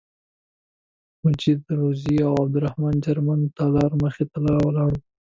مجید روزي او عبدالرحمن جرمن د تالار مخې ته ولاړ وو.